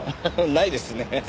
ないですね。